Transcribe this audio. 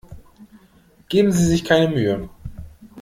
Geben Sie sich keine Mühe.